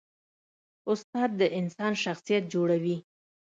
استاد د انسان شخصیت جوړوي.